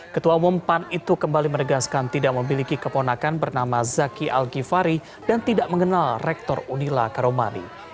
ketua umum pan itu kembali menegaskan tidak memiliki keponakan bernama zaki al gifari dan tidak mengenal rektor unila karomani